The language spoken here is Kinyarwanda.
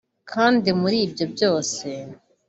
Kandi muri ibyo byose